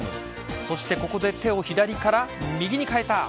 そしてここで手を左から右に変えた。